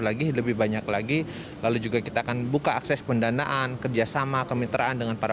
lagi lebih banyak lagi lalu juga kita akan buka akses pendanaan kerjasama kemitraan dengan para